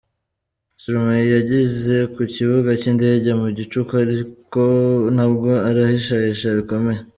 Stromae yageze ku kibuga cy’indege mu gicuku ariko nabwo arihishahisha bikomeye.